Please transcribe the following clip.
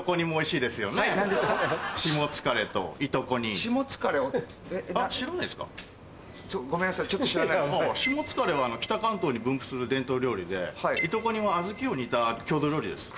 しもつかれは北関東に分布する伝統料理でいとこ煮は小豆を煮た郷土料理です。